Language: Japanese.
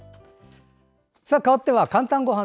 かわっては「かんたんごはん」。